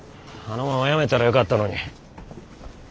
あのまま辞めたらよかったのに。